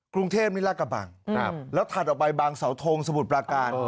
กรุงเทพนี่ลากระบังแล้วถัดออกไปบางเสาทงสมุทรปราการ